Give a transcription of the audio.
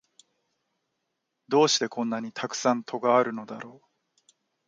どうしてこんなにたくさん戸があるのだろう